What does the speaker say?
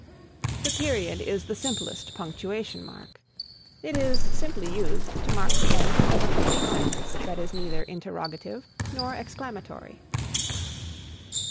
The Period is the simplest punctuation mark. It is simply used to mark the end of a complete sentence that is neither interrogative nor exclamatory.